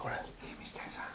水谷さん。